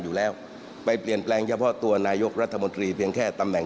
อยู่แล้วไปเปลี่ยนแปลงเฉพาะตัวนายกรัฐมนตรีเพียงแค่ตำแหน่ง